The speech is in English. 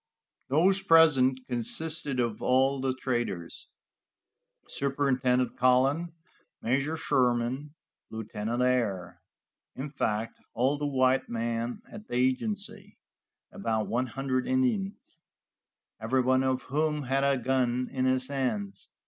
Those present consisted of all the traders, Superintendent Cullen, Major Sherman, Lieutenant Ayer, in fact, all the white men at the agency, and about one hundred Indians, everyone of whom had a gun in his hands.